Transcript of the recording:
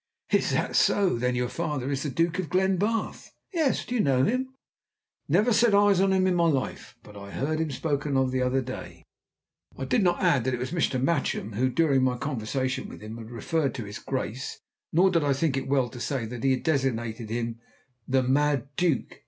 "Is that so? Then your father is the Duke of Glenbarth?" "Yes. Do you know him?" "Never set eyes on him in my life, but I heard him spoken of the other day." I did not add that it was Mr. Matchem who, during my conversation with him, had referred to his Grace, nor did I think it well to say that he had designated him the "Mad Duke."